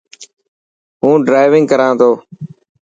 هون ڊرائونگ ڪران ٿو.